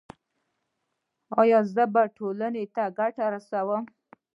ایا زه به ټولنې ته ګټه ورسوم؟